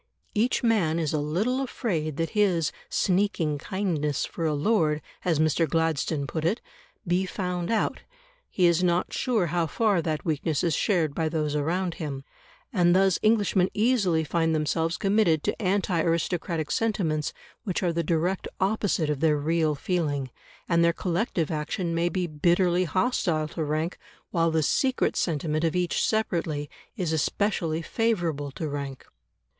Each man is a little afraid that his "sneaking kindness for a lord," as Mr. Gladstone put it, be found out; he is not sure how far that weakness is shared by those around him. And thus Englishmen easily find themselves committed to anti aristocratic sentiments which are the direct opposite of their real feeling, and their collective action may be bitterly hostile to rank while the secret sentiment of each separately is especially favourable to rank.